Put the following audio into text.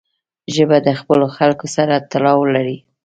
ژبه د خپلو خلکو سره تړاو لري